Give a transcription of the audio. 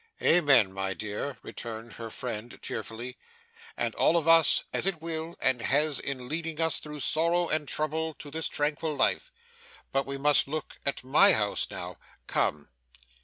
'Amen, my dear,' returned her friend cheerfully; 'and all of us, as it will, and has, in leading us through sorrow and trouble to this tranquil life. But we must look at MY house now. Come!